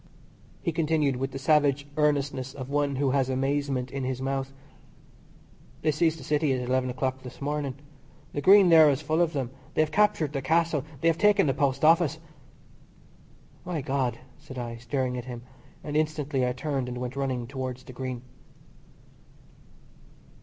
He continued with the savage earnestness of one who has amazement in his mouth: "They seized the City at eleven o'clock this morning. The Green there is full of them. They have captured the Castle. They have taken the Post Office." "My God!" said I, staring at him, and instantly I turned and went running towards the Green.